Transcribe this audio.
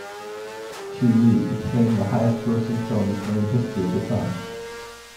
"Shiri" became the highest-grossing film in Korean history at the time.